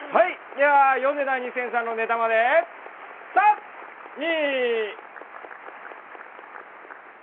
ではヨネダ２０００さんのネタまで３２。